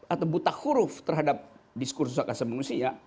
atau buta huruf terhadap diskursus hak asasi manusia